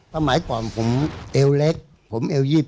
ประมาณก่อนผมเอวเล็กผมเอว๒๗